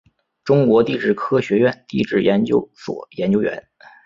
中国地质科学院地质研究所研究员。